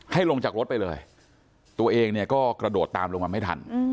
ลงจากรถไปเลยตัวเองเนี่ยก็กระโดดตามลงมาไม่ทัน